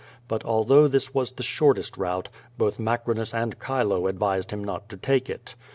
But, although this was the shortest route, both Ma crinus and Chilo advised him not to take it.